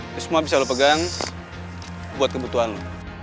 itu semua bisa lo pegang buat kebutuhan lo